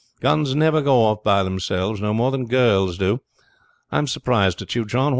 Guns never go off by themselves, no more than girls do. I am surprised at you, John.